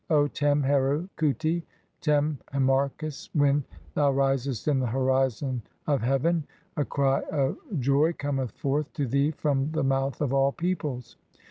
O Tem Heru khuti (Tem Harmachis), when "thou risest in the horizon of heaven, a cry of joy cometh forth "to thee from the mouth of all peoples.